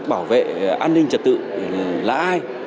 bảo vệ an ninh trật tự là ai